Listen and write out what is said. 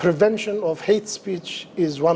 preventifan bahkan bahkan bahkan bahkan